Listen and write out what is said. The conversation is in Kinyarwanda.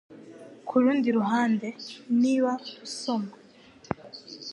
Kurundi ruhande niba usoma